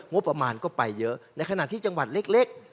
งบประมาณก็ไปเยอะในขณะที่จังหวัดเล็ก